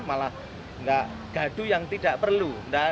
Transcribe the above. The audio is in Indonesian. malah nggak gaduh yang tidak perlu